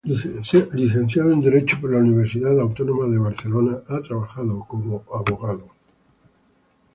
Licenciado en derecho por la Universidad Autónoma de Barcelona, ha trabajado como abogado.